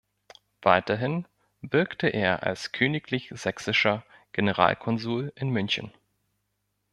Weiterhin wirkte er als königlich-sächsischer Generalkonsul in München.